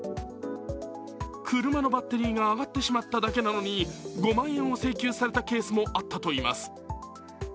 車のバッテリーが上がってしまっただけなのに５万円を請求されたケースもあったといいます。